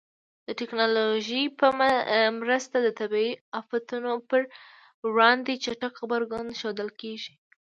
د ټکنالوژۍ په مرسته د طبیعي آفاتونو پر وړاندې چټک غبرګون ښودل کېږي.